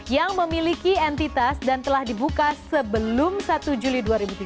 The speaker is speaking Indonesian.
yang memiliki entitas dan telah dibuka sebelum satu juli dua ribu tujuh belas